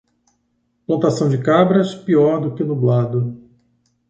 Plantação de cabras, pior do que nublado.